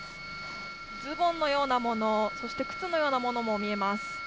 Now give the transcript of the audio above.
ズボンのようなもの、そして靴のようなものも見えます。